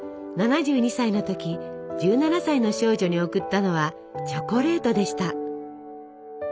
７２歳の時１７歳の少女に贈ったのはチョコレートでした。